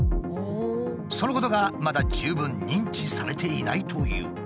そのことがまだ十分認知されていないという。